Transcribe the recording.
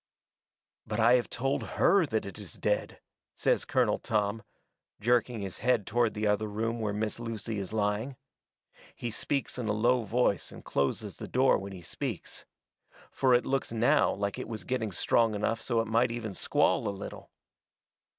"'But I have told HER that it is dead,'" says Colonel Tom, jerking his head toward the other room where Miss Lucy is lying. He speaks in a low voice and closes the door when he speaks. Fur it looks now like it was getting strong enough so it might even squall a little.